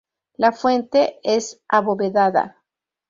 La fuente es abovedada.